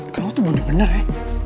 kan lo tuh bener bener ya